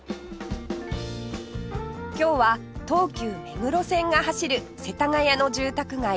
今日は東急目黒線が走る世田谷の住宅街奥沢へ